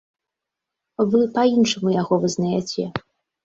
Вы па-іншаму яго вызнаяце.